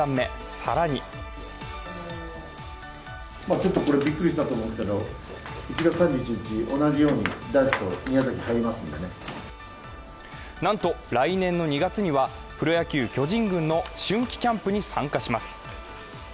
更になんと来年の２月にはプロ野球・巨人軍の春季キャンプに参加します。